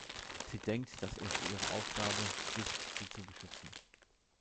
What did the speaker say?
Sie denkt, dass es ihre Aufgabe ist sie zu beschützen.